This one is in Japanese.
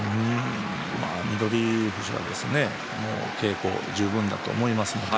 翠富士はですねもう稽古十分だと思いますので